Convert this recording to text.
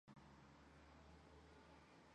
第二层是主要的正式接待楼层。